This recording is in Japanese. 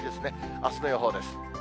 あすの予報です。